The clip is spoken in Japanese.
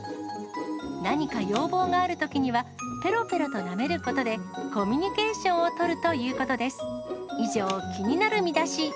何か要望があるときには、ぺろぺろとなめることで、コミュニケーションを取るということです。